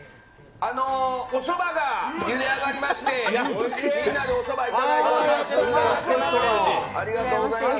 おそばがゆで上がりまして、みんなでおそば頂いております。